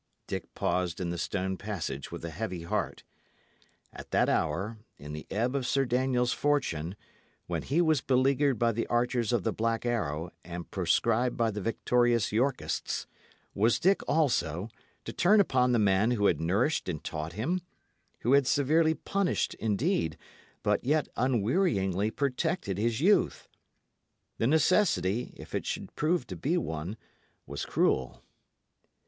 Dick paused in the stone passage with a heavy heart. At that hour, in the ebb of Sir Daniel's fortune, when he was beleaguered by the archers of the Black Arrow and proscribed by the victorious Yorkists, was Dick, also, to turn upon the man who had nourished and taught him, who had severely punished, indeed, but yet unwearyingly protected his youth? The necessity, if it should prove to be one, was cruel.